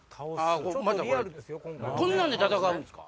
またこんなんで戦うんすか？